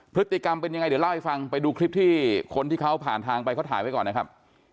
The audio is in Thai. พฤติกรรมเป็นยังไงเดี๋ยวเล่าให้ฟังไปดูคลิปที่คนที่เขาผ่านทางไปเขาถ่ายไว้ก่อนนะครับ